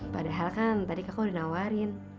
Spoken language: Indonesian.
padahal kan tadi kakak udah nawarin